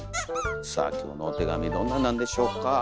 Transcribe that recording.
さあ今日のお手紙どんななんでしょうか。